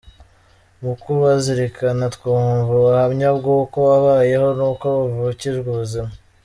Mu kubazirikana twumva ubuhamya bw’uko babayeho n’uko bavukijwe ubuzima.